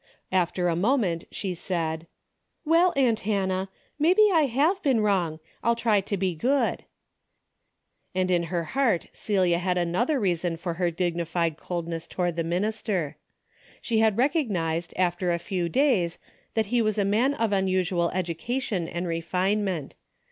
After a moment she said ; "Well, aunt Hannah, maybe I have been wrong, I'll try to be good." In her heart Celia had another reason for her dignified coldness toward the minister. She had rec ognized, after a few days, that he was a man of unusual education and refinement.